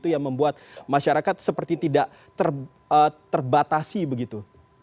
yang membuat masyarakat seperti tidak terbatasi begitu